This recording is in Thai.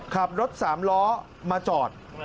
ขับรถสามล้อมาจอด